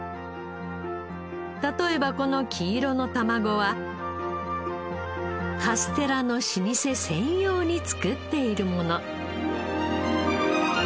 例えばこの黄色の卵はカステラの老舗専用に作っているもの。